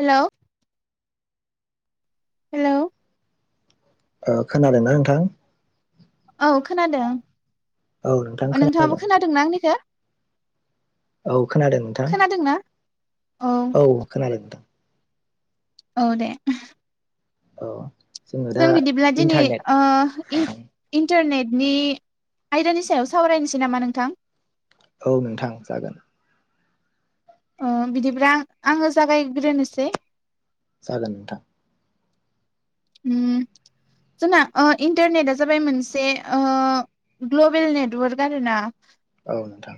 Hello hello ओ खोनादोंना नोंथां? औ खोनादों औ नोंथां खोनादों नोंथाङाबो खोनादोंना आंनिखौ? औ खोनादों नोंथां खोनादोंना औ खोनादों नोंथां। औ दे औ जोङो दा जों बिदिब्ला दिनै इन्टारनेट ओ नोंथां। इन-इन्टारनेट नि आयदानि सायाव सावरायनोसै नामा नोंथां? औ नोंथां जागोन। ओ बिदिब्ला आङो जागायग्रोनोसै जागोन नोंथां। जोंना इन्टारनेटआ जाबाय मोनसे ग्लबेल नेटवर्क आरोना। औ नोंथां।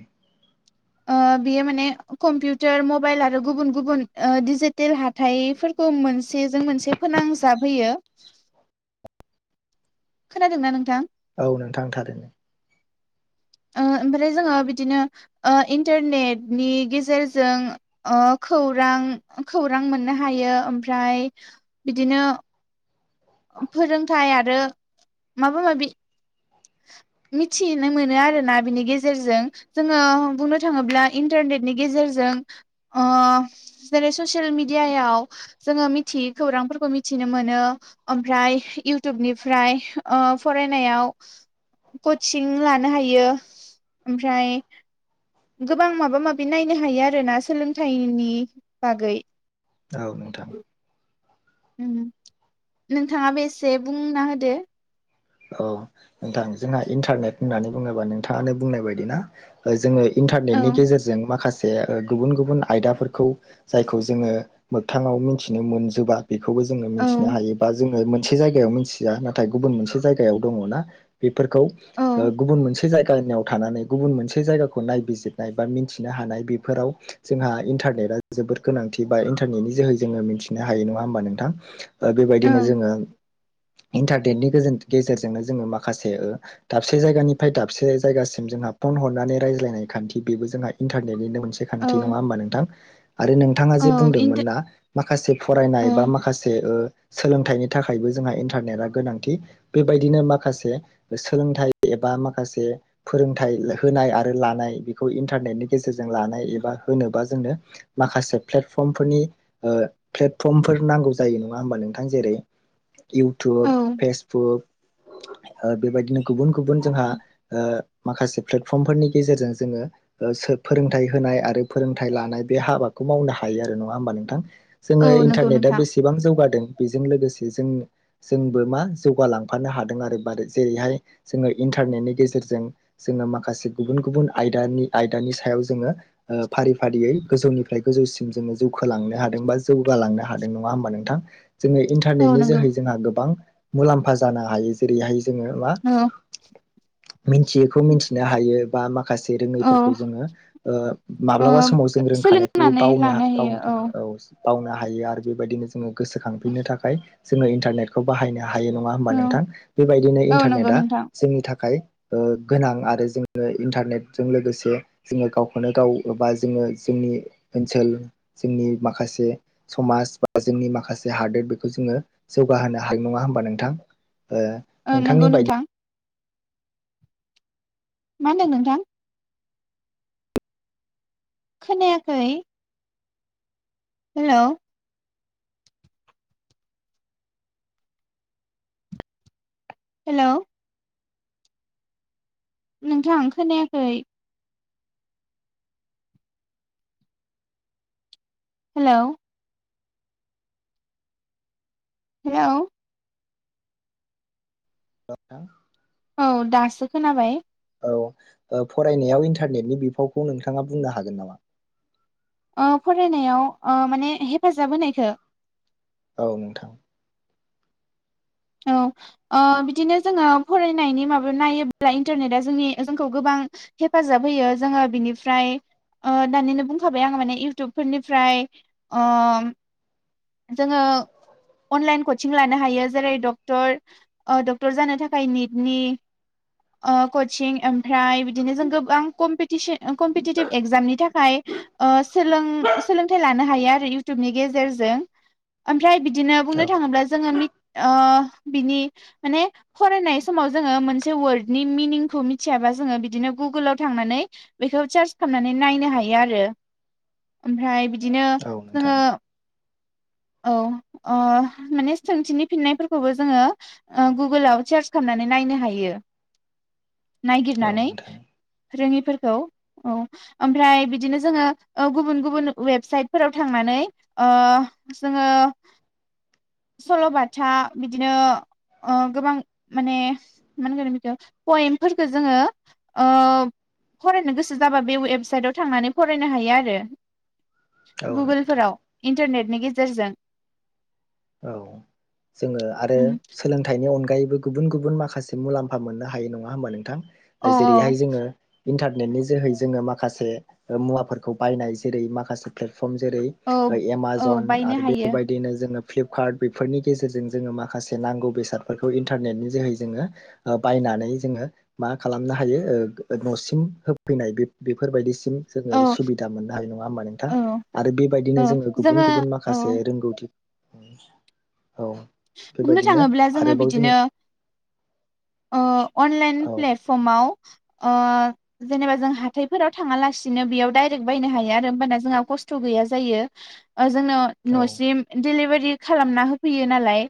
औ ओ बेयो माने कम्पिउटार मबाइल आरो गुबुन गुबुन डिजिटेल हाथाइफोरखौ मोन। मोन मोन फोनांजाब होयो खोनादोंना नोंथां। औ नोंथां थारै। ओमफ्राय जोङो बिदिनो इन्टारनेटनि गेजेरजों खौरां खौरां मोननो हायो ओमफ्राय बिदिनो फोरोंथायाइ आरो माबा माबि मिथिनो मोनो आरोना बिनि गेजेरजों जोङो बुंनो थाङोब्ला इन्टारनेटनि गेजेरजों जों ओ जेरै ससियेल मिडियाव जोङो मिथियै खौरांफोरखौ मि नो मोनो ओमफ्राय इउटुबनिफ्राय ओ फरायनायाव कचिं लानो हायो ओमफ्राय गोबां माबा माबि नायनो हायो आरोना सोलोंथाइनि बागै औ नोंथां नोंथाङा बो एसे बुंना होदो। औ नोंथां जोंहा इन्टारनेट होननानै बुङोबा नोंथाङानो बुंनाय बायदि ना जोङो। औ इन्टारनेटनि गेजेरजों माखासे गुबुन गुबुन आयदाफोरखौ जायखौ जोङो मोगथाङाव मिथिनो मोनजोबा। बेखौबो जोङो औ मिथिनो हायो बा जोङो मोनसे जायगायाव मिथिया नाथाय गुबुन मोनसे जायगा। दङ बेफोरखौ औ गुब मोनसे ज थानानै गुबुन मोनसे जाखौनाय। बिजिरनाय बा मिन्थिनो हानाय बेफोराव जोंहा इन्टारनेटा जोबोद गोनांथि बा इन्टारनेटनि जोहै जोङो। मिथिनो हायो नङा हबा नोंथां बेबायदिनो ओं जोङो इन्टारनेटनि गोेजोन। गेजेरजोंनो जोङो माखासे दाबसे जायगानिफ्राय दाबसे जायगासिम जोंहा फन हरनानै रायज्लायनाय खान्थि बेबो जोंहा इन्टारनेटनिनो मोनसे औ खान्थि नङा होबा नोंथां आरो नोंथाङा जे औ बुंदोंमोन इन्टा ना माखासे औ फरायनाय बा माखासे सोलोंथाइनि थाखायबो जोंहा इन्टारनेटआ गोनांथि। बेबायदिनो माखासे सोलोंथाइ एबा माखासे फोरोंथाइ होनाय आरो लानाय। इनटारनेटनि गेजेरजों लानाय एबा होनोबा जोंनो माखासे प्लेटर्मनि प्लेटफर्मफोर नांगौ जायो नङा होमबा नोंथां। जेरै [inaudible] औ इउटुब फेसबुक [inaudible] बेबायदिनो गुबुन गुबुन जोंहा माखासे प्लेटफर्मफोरनि गेजेरजों जोङो। फोरोंथाइ होनाय आरो फोरोंथाइ लानाय बे हाबाखौ मावनो हायो आरो नङा होमबा नोंथां? जोङो औ नंगौ इन्टारनेटआ नोंथां बेसेबां जौगादों बेजों लोगोसे जों-जोंबो मा जौगा लांफानो हादों आरो जेरैहाय जोङो इन्टारनेटनि गेजेरजों जोङो माखासे गुबुन गुबुन आयदानि आयदानि सायाव जोङो ओ फारि फारियै गोजौनिफ्राय गोजौसिम जोङो जौखलां नो हादों बा जौगालांनो हादों नङा होमबा नोंथां? जोङो औ इन्टारनेटनि नंगौ जोहै जोंहा गोबां मुलाम्फा जानो हायो जेरैहाय जोङो मा औ [inaudible] मिन्थियैखौ मिन्थिनो हायो बा माखासे औ रोङैफोरखौ जोङो ओ ओ माब्लाबा समाव जों रो खानायखौबो सोलोंनानै बावनो हा लानो हायो बावनो थाङो। औ बावनो हायो आरो बेबायदिनो जोङो गोसोखांफिननो थाखाय जोङो इन्टारनेटखौ बाहायनो हायो नङा होमबा औ नोंथां बेबायदिनो औ नंगौ इन्टारनेटआ नोंथां जोंनि थाखाय ओ गोनां आरो जोङो इन्टारनेटजों लोगोसे जोङो गावखौनो गाव बा जोङो जों जोंनि ओनसोल जोंनि माखासे समाज बा जोंनि माखासे हादोर बेखौ जोङो। जौगाहोनो हायो नङा हबा नोंथां? ओ ओ नोंगौ नोंथांनि बायदि नोंथां। मा होनदों नोंथां? खोनायाखै। हेलौ हेल' नोंथां खोनायाखै। हेलौ हेलौ [unintelligible] औ दासो खोनाबाय। औ ओ फरायनायाव इन्टारनेटनि बिफावखौ नोंथाङा बुंनो हागोन नामा? ओ फरायनायाव ओ माने हेफाजाब होनायखो? औ नोंथां। औ ओ बिदिनो जोङो फरायनायनि माबायाव नायोब्ला इन्टारनेटआ जोंनि जोंखौ गोबां हेफाजाब होयो जोङो बिनिफ्राय ओ दानिनो बुंखाबाय आंङो माने इउटुबफोरनिफ्राय ओम जोङो अनलाइन कचिं लानो हायो जेरै डक्टर ओ डक्टर जानो थाखाय निट नि। ओ कच्चिं एम ओमफ्राय बिदिनो जों गोबांम कमपिटिसन कमपिटिटिभ एक्जामनि थाखाय ओ सोलों सोलोंथाइ लानो हायो आरो इउटुबनि गेजेरजों। ओमफ्राय बिदिनो बुंनो औ थाङोब्ला जोङो मिथ ओ बिनि माने फरायनाय समाव जोङो मोनसे वर्डनि मिनिंखौ मिथियाबा जोङो बिदिनो गुगुलाव थांनानै बेखौ चार्च खामनानै नायनो हायो आरो ओमफ्राय बिदिनो औ नोंथां जोङो औ ओ माने सोंथिनि फिन्नायफोरखौबो जोङो ओ गुगोलाव सार्च खालामनानै नाय नायनो हायो, औ नायगिरनानै नोंथां रोङिफोरखौ औ। ओमफ्राय बिदिनो जोङो ओ गुबुन गुबुन वेबसाइटफोराव थांनानै नै ओ जोङो सल'बाथा बिदिनो ओ गोबां माने मा होनगोन बिखौ पयेमफोरखौ जोङो ओ फरायनो गोसो जाबा बे वेबसाइटाव थांनानै फरायनो हायो आरो औ नोंथां गुगोलफोराव इन्टारनेटनि गेजेरजों। औ जोङो आरो उम सोलोंथाइनि अनग गायैबो गुबुन गुबुन माखासे मुलाम्फा मोननो हायो नङा होमबा नोंथां औ जेरैहाय जोङो इन्टारनेटनि जोहै जोङो माखासे ओ मुवाफोरखौ बायनाय जेरै माखासे फ्ले फर्म जेरै औ औ एमाजन बायनो आरो हायो बेबायदिनो जोङो फ्लिपकार्ट बेफोरनि गेजेरजों जोङो माखासे नांगौ बेसादफोरखौ इन्टारनेटनि जोहै जोङो ओ बाय नानै जोङो मा खालामनो हायो ओ न'सिम होफैनाय बेफोरबायदि जोङो औ सुबिदा मोननो हानाय नङा हा नोंथां। औ आरो औ बेबायदिनो जोङो गुबुन गुबुन औ माखासे रोंगौथि उम बुंनो थाङोब्ला जोङो बिदिनो ओ अनलाइन औ प्लेटफर्मआव ओ जेनेबा जों हाथायफोराव थाङालासिनो बेयाव दडायरेक्ट बायनो हायो आरो होमबाना जोंहा खस्थ' गैया जायो। ओ जोंनो औ न'सिम डैलिभारि खालामना होफैयो नालाय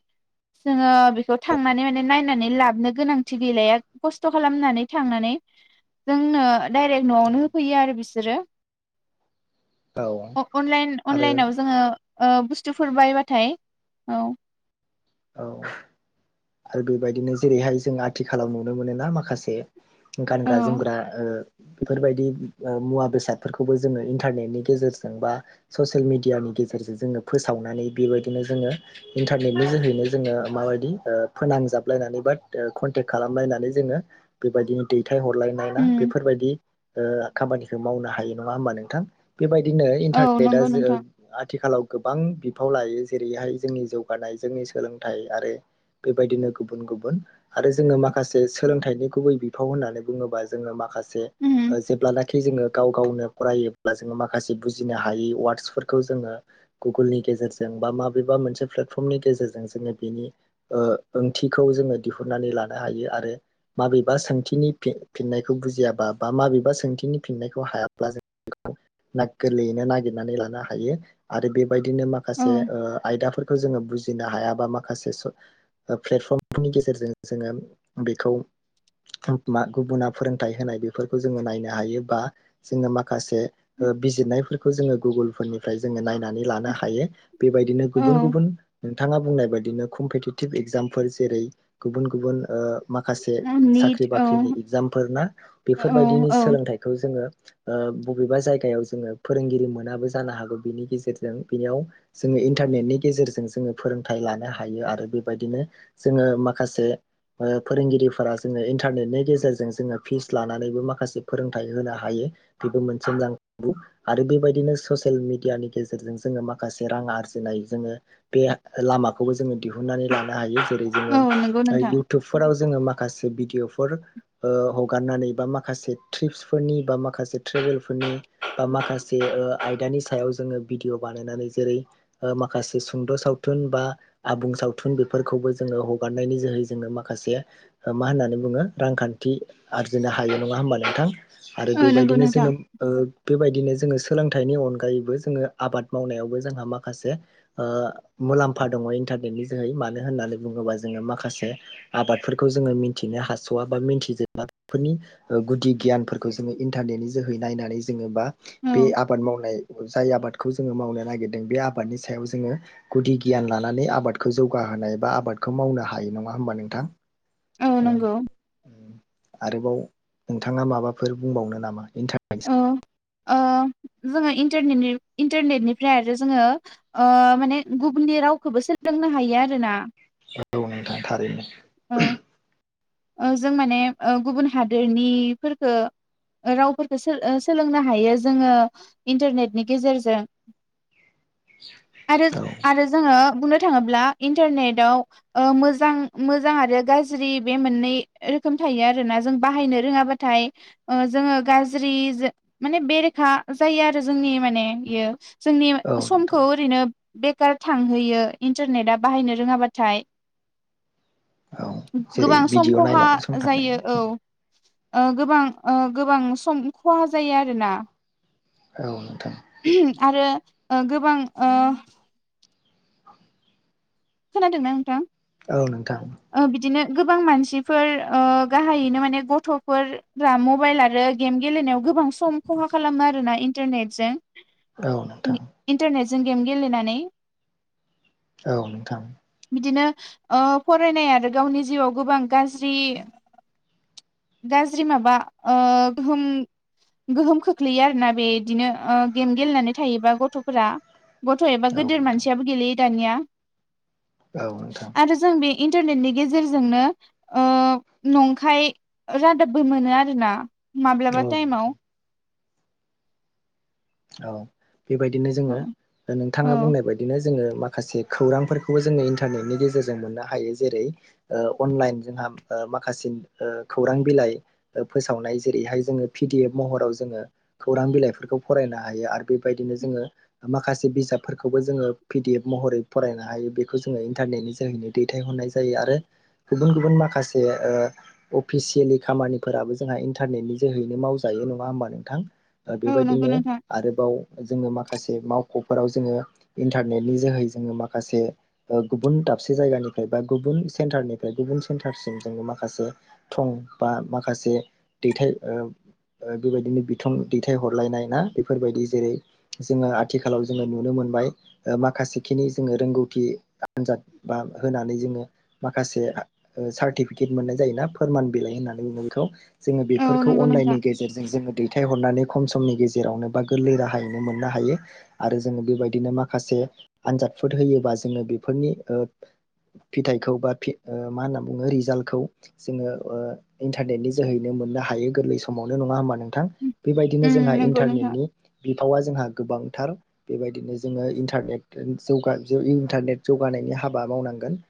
जोङो बेखौ थांनानै माने नायनानै लाबनो गोनांथि गैलाया खस्थ' खालामनानै थांनानै जोंनो दडाइरेक्ट न'आवनो होफैयो आरो बिसोरो। औ अ-अनलाइन आरो अनलाइनाव जोङो ओ बुस्थुफोर बायबाथाय औ। औ आरो बेबायदिनो जेरैहाय जों आथिखालाव नुनो मोनोना माखासे गानग्रा औ जोमग्रा ओ बेफोरबायदि मुवा बेसादफोरखौबो जोङो इन्टारनेटनि गेजेरजों बा ससियेल मिडि यानि गेजेर ज फोाव बेबायनो जो इारनेनि जोहै नो जोङो माबादि फोनांजाबलायनानै बा कनटे खालामलायनानै जोङो बेबायदिनो दै थाइ हरलायनाया उम बेफोरबायदि ओ खामानिखौ मावनो हायो नङा होमबा नोंथां बेबायदिनो औ इन्टारनेटआ नंगौ जो नोंथां आथिखालाव गोबां बिफाव लायो जेरैहाय जोंनि जौगानाय जोंनि सोलोंथाइ आरो बेबायदिनो गुबुन गुबुन आरो जोङो माखासे सोलोंथाइनि गुबै बिफाव होननानै बुङोबा जोङो माखा से उम जेब्लानाखि जोङो गाव गावनो फायो जोङो माखासे बुजिनो हायै वार्सफोरखौ जोङो गुगुलनि गेजेरजों बा माबेबा मोनसे प्लेटफर्मनि गेजेर जों जोङो बेनि ओंथिखौ जोङो दिहुननानै लानो हायो आरो माबेबा सोंथिनि फि फिननायखौ बुजियाबा बा माबेबा सोंथिनि फिननायखौ हायाब्ला जों [unintelligible] गोरलैयैनो नागिरनानै लानो हायो आरो बे बायदिनो औ माखासे आयदाफोरखौ जोङो बुजि नो हायाबा माखासे प्लेटफर्मनि गेजेरजों जोङो बेखौ मा गुबुना फोरोंथाइ होनाय बेफोरखौ जोङो नायनो हायो बा जोङो माखासे बिजिरनायफोरखौ जोङो गुगुलफोरनिफ्राय जोङो नायनानै लानो हायो। बेबायदिनो गुबुन गुबुन औ नाङा बुंनाय बायदिनो कम्पिटिटिभ एगजामफोर जेरै गुबुन गुबुन ओ माखासे साख्रि निट औ बाख्रिनि इग्जामफोर ना औ बेफोरबायदिनि औ सोलोंथाइखौ जोङो ओ बबेबा जायगायाव जोङो फोरोंगिरि मोनाबो जानो हागौ बिनि गेजेरजों बेनियाव जों इन्टारनेटनि गेजेरजों जोङो फोरोंथाइ लानो हायो आरो बेबायदिनो जोङो माखासे फोरोंगिरिफोरा जोङो इन्टारनेटनि गेजेरजों जोङो फिस लानानैबो माखासे फोरोंथाइ होनो हायो। बेबो मोनसे मोजां गुन आरो बेबायदिनो ससियेल मिडियानि गेजेरजों जोङो माखासे राङारि आरो आरजिनाय जोङो बे लामाखौबो जोङो दिहुनन्नानै लानो हायो जेरै जोङो औ नंगौ नोंथां इयउटुबफोराव जोङो माखा माखासे भिदिअ हगारनानै बा माखासे ट्ररिपसफोरनि बा माखासे ट्रेरेलनि माखासे आयदानि सायाव जोङो भिडिअ बानायनानै जेरै ओ माखासे सुंद' साव थुन बा आबुं सावथुन बेफोरखौबो जोङो हगारनायनि जोहै जोङो माखासे मा होननानै बुङो रांखान्थि आरजिनो हायो नङा होमबा नोंथां आरो औ नंगौ बेबायदिनो नोंथां जोङो ओ बेबायदिनो जोङो सोलोंथाइनि अनगायैबो जोङो आबाद मावनायावबो जोंहा माखासे ओ मुलाम्फा दङ इन्टारनेटनि जोहै मानो होननानै बुङोब्ला जोङो माखासे आबादफोरखौ जोङो मिथिनो हास'वा बा मिन्थिजोबा बेफोरनि गुदि गियानफोरखौ जोङो इन्टारनेटनि जोहै नायनानै जोङो बा औ बे आबाद मावनाय जाय आबादखौ जोङो मावनो नागिरदों बे आबादनि सायाव जोङो गुदि गियान लानानै आबादखौ जौगाहोनाय बा आबादखौ मावनो हायो नङा होमबा नोंथां औ नंगौ आरोबाव नोंथाङा माबाफोर बुंबावनो नामा? इन् थाखायारस औ जोङो इन्टारनेटनिफ्राय आरो जोङो माने गुबनि रावखौबो सोलोंनो हायो आर ना औ नोंथां थारैनो। जों माने गुबुन हादोरनिफोरफोरखौ रावफोरखौ सोलोंनो हायो जोङो इन्टारनेटनि गेजेरजों आरो औ आरो जोङो बुंनो थांङोब्ला इन्टारस्टेट आव मोजां मोजां आरो गारजि बे मोननै रोखोम थायो आरोोना जों बाहायनो रोङाबाथाय जोङो गाज्रि माने बेरेखा जायो आरो जोंनि माने बेयो जोंनि औ नोंथां समखौ ओरैनो बेखार थांहोयो इन्टारनेटआ बाहायनो रोङाबाथाय औ जेरै गोबां सम भिडिअ खहा नायनानै सम थांनाय जायो ना औ। ओ गोबां ओ गोबां सम खहा जायो आरोना औ नोंथां आरो गोबां खोनादोंना नोंथां? औ नोंथां। ओ बिदिनो गोबां मानसिफोर ओ गाहायैनो माने गथ'फोर मबाइल आरो गेम गेलेनायाव गोबां सम खहा खालामो आरोना इन्टारनेटजों औ नोंथां इन्टारनेटजों गेम गेलेनानै औ नोंथां। बिदिनो ओ फरायनाय आरो गावनि जिउआव गोबां गाज्रि गाज्रि माबा ओ गोहोम गोहोम खोख्लैयो आरोना बे इदिनो गेम गेलेनानै थायोबा गथ'फोरा गथ' एबा औ गदिर नोंथां मानसियाबो गेलेयो दानिया औ नोंथां। आरो जों बे इन्टारनेटनि गेजेरजोंनो ओ नंखाय रादाबबो मोनो आर ना माब्लाबा नोंथां टाइमाव औ बेबायदिनो जोङो औ नोंथाङा बुंनाय बायदिनो जोङो माखासे खौरांफोरखौबो जोङो इन्टारनेटनि गेजेरजों मोननो हायो जेरै ओ अनलाइन जोंहा माखासे ओ खौरां बिलाइ फोसावनाय जेरैहाय जोङो पिडि एफ महराव जोङो खौरां बिलाइफोरखौ फरायनो हायो आरो बेबायदिनो जोङो माखासे बिजाबफोरखौबो जोङो पिडि एफ महरै फरायनो हायो। बेखौ जोङो इन्टारनेटनि जोहैनो दैथायहरनाय जायो आरो गुबुन गुबुन माखासे ओ अफिसियेलि खामानिफोराबो जोंहा इन्टारनेटनि जोहैनो मावजायो। दायो नङा होमबा नोंथां! औ नंगौ बेबायदिनो नोंथां आरोबाव जोङो माखासे मावख'फोराव जोङो इन्टारनेटनि जोहै जोङो माखासे ओ गुबुन दाबसे जायगानिफ्राय बा गुबन सेन्टारनिफाय गुबुन सेन्टारसिम ज माखासे थं बा मा खासे दैथाय ओ ओबेबायदिनो बिथं दैथाय हरलायनाय ना बेफोरबायदि जेरै जोङो आथिखालाव जोङो नुनो मोनबाय माखासेखिनि जोङो रोंगौथि आनजाद बा होनानै जोङो माखासे सारटिफिके मोननाय जायोना फोरमान बिलाइ होन्नानै बुङो औ बेफोरखौ नंगौ नोंथां अनलाइ गेजेरजों जोङो दैथहरनानै खम समनि गेजेरावनो बा गोरलै राहायैनो मोननो हायो आरो जोङो बेबायदिनो माखासे आनजादफोर होयोबा जोङो बेफोरनि ओ फिथाइखौ बा फिओ मा होनना बुङो रिजाल्टखौ जोङो ओ इन्टारनेटनि जोहैनो मोननो हायो गोरलै समावनो नङा होमबा नोंथां। उम बेबायदिनो जोंहा नंगौ नोंथां इन्टारनेटनि बिफावा जोंहा गोबांथार बेबायदिनो जोङो इन्टारनेट जौगा इन्टारनेट जौ जौगानायनि हाबा मावनांगोन।